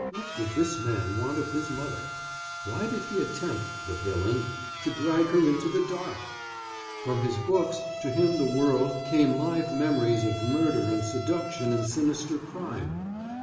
What did this man want of his mother? Why did he attempt the villain! to drag her into the dark? From his books, to him the world, came live memories of murder and seduction and sinister crime.